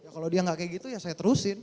kalau dia nggak kayak gitu ya saya terusin